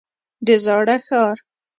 د زاړه ښار.